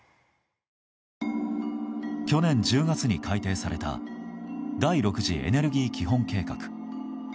去年１０月に改訂された第６次エネルギー基本計画。